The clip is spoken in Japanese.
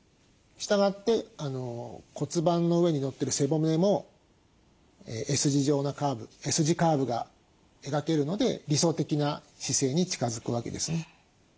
したがって骨盤の上にのってる背骨もＳ字状なカーブＳ字カーブが描けるので理想的な姿勢に近づくわけですね。